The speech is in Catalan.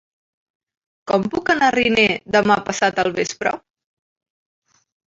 Com puc anar a Riner demà passat al vespre?